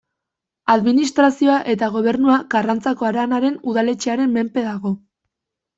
Administrazioa eta gobernua Karrantzako Haranaren udaletxearen menpe dago.